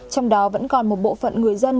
trong đó vẫn còn một bộ phận người dân